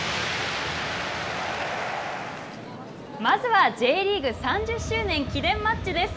まずはＪリーグ３０周年記念マッチです。